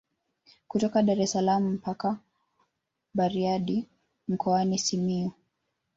Kutoka Daressalaam mpaka Bariadi mkoani Simiyu